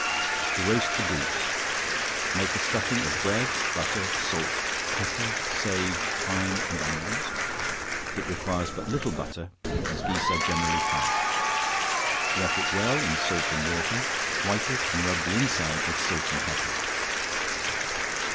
To Roast a Goose. Make a stuffing of bread, butter, salt, pepper, sage, thyme and onions; it requires but little butter, as geese are generally fat; wash it well in salt and water, wipe it, and rub the inside with salt and pepper.